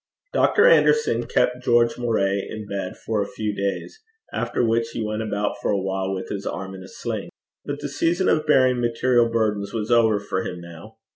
Dr. Anderson kept George Moray in bed for a few days, after which he went about for a while with his arm in a sling. But the season of bearing material burdens was over for him now.